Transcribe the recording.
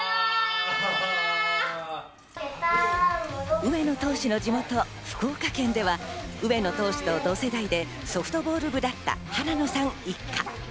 上野投手の地元・福岡県では上野投手と同世代でソフトボール部だった原野さん一家。